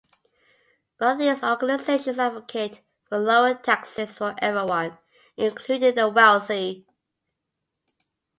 Both these organizations advocate for lower taxes for everyone including the wealthy.